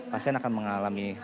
pasien akan mengalami keluhani